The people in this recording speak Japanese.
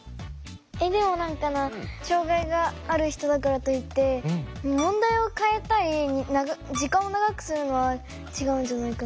えっでも何かな障害がある人だからといって問題を変えたり時間を長くするのは違うんじゃないかな。